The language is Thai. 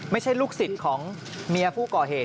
ลูกศิษย์ของเมียผู้ก่อเหตุ